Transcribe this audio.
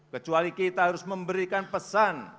kecuali kita harus memberikan pesan